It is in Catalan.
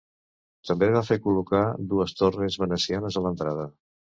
També va fer col·locar dues torres venecianes a l'entrada.